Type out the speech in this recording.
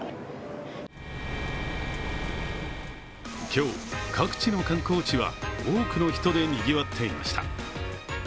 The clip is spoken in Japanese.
今日、各地の観光地は多くの人でにぎわっていました。